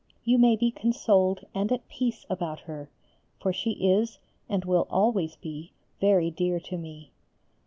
You may be consoled and at peace about her for she is, and will always be, very dear to me.